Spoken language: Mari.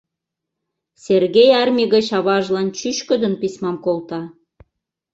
...Сергей армий гыч аважлан чӱчкыдын письмам колта.